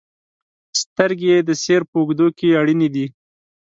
• سترګې د سیر په اوږدو کې اړینې دي.